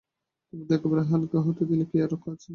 তোমাদের একেবারে হালকা হতে দিলে কি আর রক্ষা আছে!